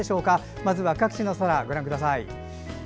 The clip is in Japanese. まずは、各地の空ご覧ください。